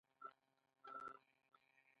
چاري همداسې ګډې وډې پاته شوې.